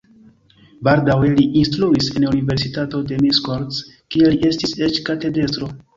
Baldaŭe li instruis en universitato de Miskolc, kie li estis eĉ katedrestro.